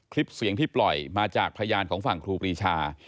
คลิปเสียงที่ปล่อยมาจากพยานของฝั่งครูปรีชา